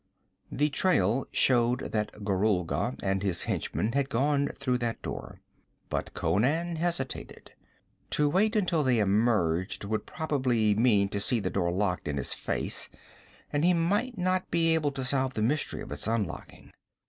The trail showed that Gorulga and his henchmen had gone through that door. But Conan hesitated. To wait until they emerged would probably mean to see the door locked in his face, and he might not be able to solve the mystery of its unlocking.